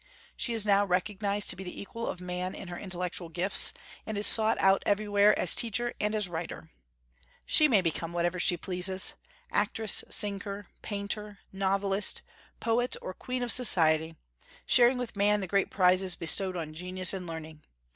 She is now recognized to be the equal of man in her intellectual gifts, and is sought out everywhere as teacher and as writer. She may become whatever she pleases, actress, singer, painter, novelist, poet, or queen of society, sharing with man the great prizes bestowed on genius and learning.